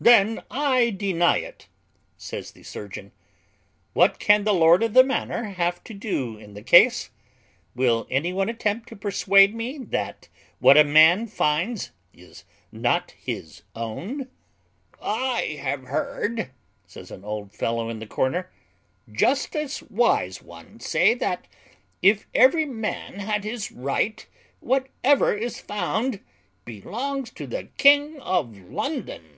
"Then I deny it," says the surgeon: "what can the lord of the manor have to do in the case? Will any one attempt to persuade me that what a man finds is not his own?" "I have heard," says an old fellow in the corner, "justice Wise one say, that, if every man had his right, whatever is found belongs to the king of London."